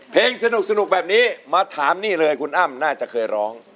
เพลงสนุกแบบนี้มาถามนี่เลยคุณอ้ำน่าจะเคยร้อง